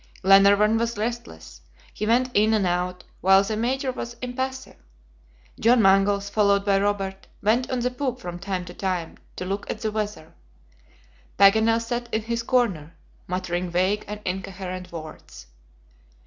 Glenarvan was restless; he went in and out, while the Major was impassive. John Mangles, followed by Robert, went on the poop from time to time, to look at the weather. Paganel sat in his corner, muttering vague and incoherent words.